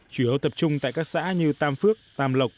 chủ yếu tập trung tại các xã như tam phước tam lộc